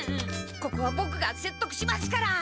ここはボクがせっとくしますから！